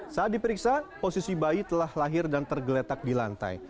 saat diperiksa posisi bayi telah lahir dan tergeletak di lantai